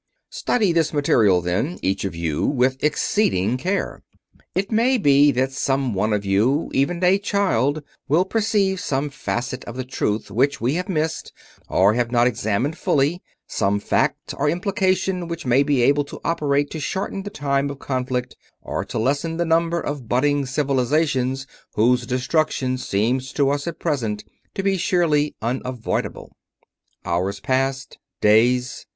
"Study this material, then, each of you, with exceeding care. It may be that some one of you, even a child, will perceive some facet of the truth which we have missed or have not examined fully; some fact or implication which may be made to operate to shorten the time of conflict or to lessen the number of budding Civilizations whose destruction seems to us at present to be sheerly unavoidable." Hours passed. Days.